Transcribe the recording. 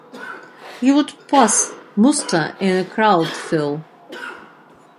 You would pass muster in a crowd, Phil!